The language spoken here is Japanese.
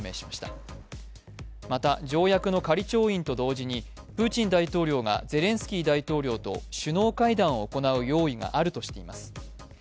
また、条約の仮調印と同時にプーチン大統領がゼレンスキー大統領と首脳会談を行う用意があるとしています。